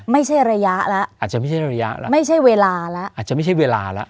ไม่ใช่ระยะแล้วอาจจะไม่ใช่ระยะแล้วไม่ใช่เวลาแล้วอาจจะไม่ใช่เวลาแล้ว